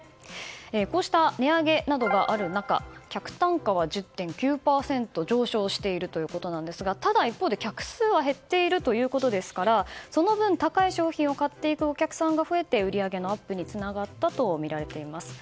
こうした値上げなどがある中客単価は１０．９％上昇しているんですがただ、一方で客数は減っているということですからその分、高い商品を買っていくお客さんが増えて売り上げのアップにつながったとみられています。